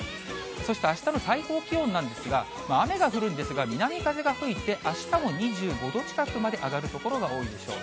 そしてあしたの最高気温なんですが、雨が降るんですが、南風が吹いて、あしたも２５度近くまで上がる所が多いでしょう。